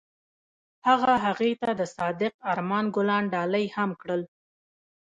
هغه هغې ته د صادق آرمان ګلان ډالۍ هم کړل.